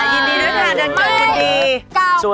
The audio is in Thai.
อี้หัวหน้ากระดาษ